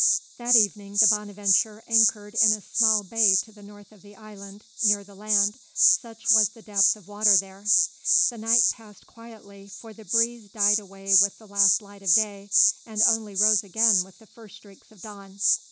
That evening the Bonadventure anchored in a small bay to the north of the island, near the land, such was the depth of water there. The night passed quietly, for the breeze died away with the last light of day, and only rose again with the first streaks of dawn.